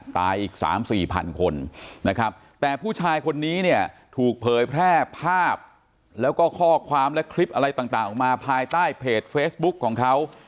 อีก๓๔พันคนนะครับแต่ผู้ชายคนนี้เนี่ยถูกเผยแพร่ภาพแล้วก็ข้อความและคลิปอะไรต่างออกมาภายใต้เพจเฟซบุ๊คของเขา